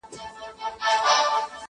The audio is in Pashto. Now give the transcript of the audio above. چي پخپله چا تغییر نه وي منلی!٫.